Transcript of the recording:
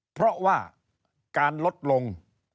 เพราะว่าการลดลง